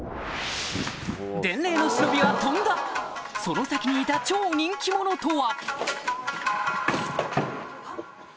伝令の忍びは飛んだその先にいた超人気者とは？